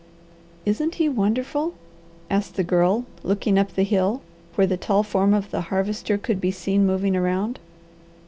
"Isn't he wonderful?" asked the Girl, looking up the hill, where the tall form of the Harvester could be seen moving around.